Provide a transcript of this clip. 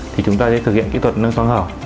thì chúng ta sẽ thực hiện kỹ thuật nâng xoang hở